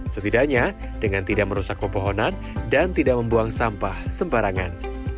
setidaknya dengan tidak merusak pepohonan dan tidak membuang sampah sembarangan